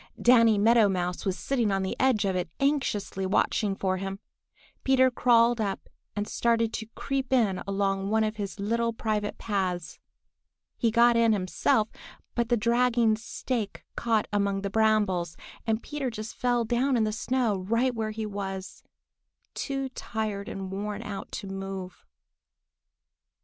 Danny Meadow Mouse was sitting on the edge of it anxiously watching for him. Peter crawled up and started to creep in along one of his little private paths. He got in himself, but the dragging stake caught among the brambles, and Peter just fell down in the snow right where he was, too tired and worn out to move.